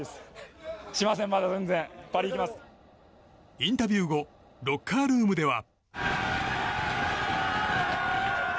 インタビュー後ロッカールームでは。